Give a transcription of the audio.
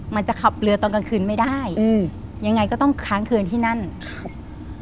มันจะขับเรือตอนกลางคืนไม่ได้อืมยังไงก็ต้องค้างคืนที่นั่นครับ